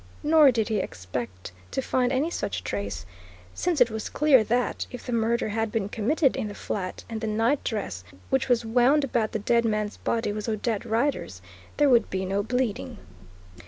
Nor did he expect to find any such trace, since it was clear that, if the murder had been committed in the flat and the night dress which was wound about the dead man's body was Odette Rider's, there would be no bleeding.